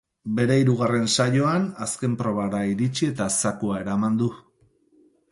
Bere hirugarren saioan, azken probara iritsi eta zakua eraman du.